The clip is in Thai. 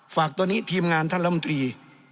ฝากตัวนี้ทีมงานท่านลำตรี